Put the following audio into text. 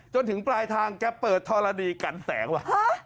จนถึงปลายทางแกเปิดธรณีกันแสงว่ะ